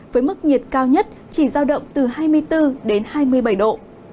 với mức nhiệt cao nhất chỉ giao động từ hai mươi bốn đến hai mươi bảy độ